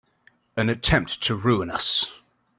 An attempt to ruin us!